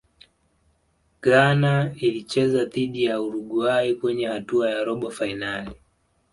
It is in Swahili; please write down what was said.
ghana ilicheza dhidi ya uruguay kwenye hatua ya robo fainali